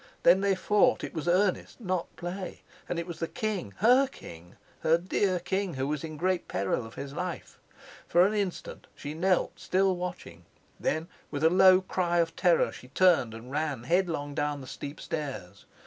Then they fought. It was earnest, not play. And it was the king her king her dear king, who was in great peril of his life. For an instant she knelt, still watching. Then with a low cry of terror she turned and ran headlong down the steep stairs.